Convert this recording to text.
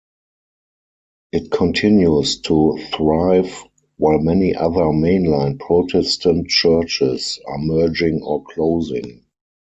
It continues to thrive while many other mainline Protestant churches are merging or closing.